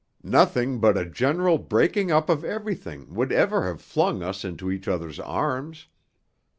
Nothing but a general breaking up of everything would ever have flung us into each other's arms.